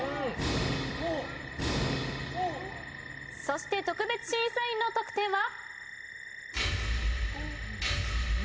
そして特別審査員の得点は？